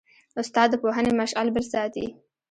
استاد د پوهنې مشعل بل ساتي.